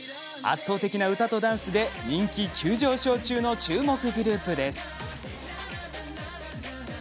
圧倒的な歌とダンスで人気急上昇中の注目グループです。